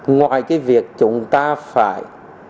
ngoài việc chúng ta phải